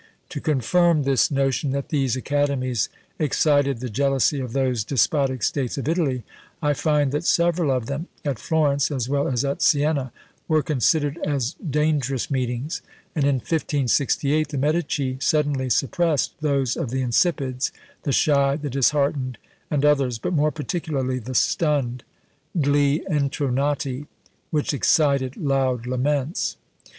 To confirm this notion that these academies excited the jealousy of those despotic states of Italy, I find that several of them, at Florence as well as at Sienna, were considered as dangerous meetings, and in 1568 the Medici suddenly suppressed those of the "Insipids," the "Shy," the "Disheartened," and others, but more particularly the "Stunned," gli Intronati, which excited loud laments.